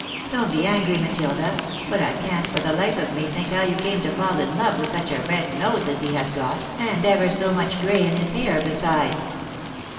Don't be angry, Matilda ; but I can't, for the life of me, think how you came to fall in love with such a red nose as he has got, and ever so much gray in his hair besides."